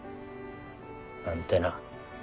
なんてな。